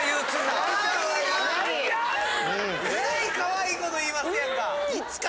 えらいかわいいこと言いますやんか。